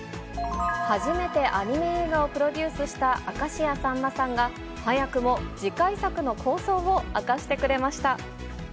初めてアニメ映画をプロデュースした明石家さんまさんが、早くも次回作の構想を明かしてくれました。